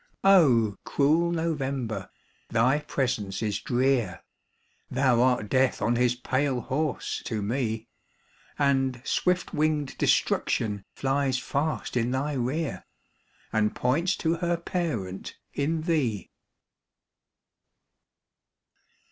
O, cruel November, thy presence is drear, Thou art Death on his Pale Horse to me ; And swift winged Destruction flies fast in thy rear, And points to her parent in thee.